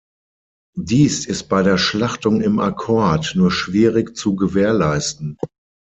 Dies ist bei der Schlachtung im Akkord nur schwierig zu gewährleisten.